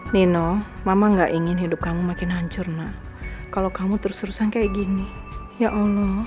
nino mama enggak ingin hidup kamu makin hancur nak kalau kamu terus terusan kayak gini ya allah